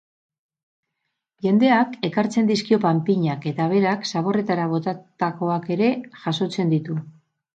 Jendeak ekartzen dizkio panpinak eta berak zaborretara botatakoak ere jasotzen ditu.